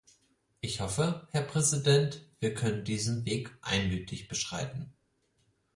Ich hoffe, Herr Präsident, wir können diesen Weg einmütig beschreiten.